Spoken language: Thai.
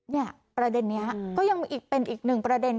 เนี่ยประเด็นนี้ก็ยังมีอีกเป็นอีกหนึ่งประเด็น